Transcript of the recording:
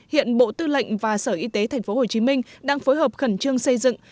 hiện bộ tư lệnh và sở y tế tp hcm đang phối hợp khẩn trương xây dựng